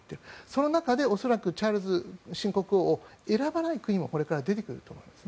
その中で恐らく、チャールズ新国王を選ばない国もこれから出てくると思います。